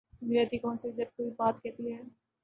نظریاتی کونسل جب کوئی بات کہتی ہے۔